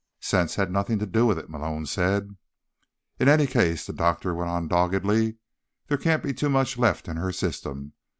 "Sense had nothing to do with it," Malone said. "In any case," the doctor went on doggedly, "there can't be too much left in her system.